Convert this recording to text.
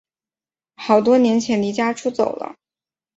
好多年前离家出走了